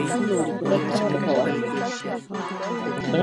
چي قلم مي له لیکلو سره آشنا سوی دی -